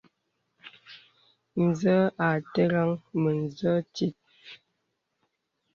Zə à aterə̀ŋ mə̀zə tìt.